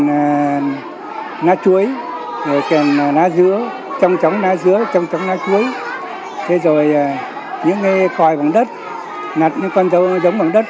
đèn lá chuối rồi đèn lá dứa trông trống lá dứa trông trống lá chuối thế rồi những cái còi bằng đất nặt những con dấu giống bằng đất